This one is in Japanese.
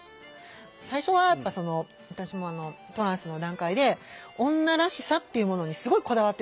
最初はやっぱ私もトランスの段階で「女らしさ」っていうものにすごいこだわってたんですよ。